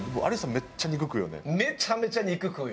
めちゃめちゃ肉食うよ。